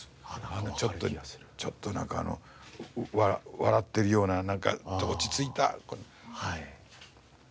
あのちょっとなんか笑ってるような落ち着いたこの。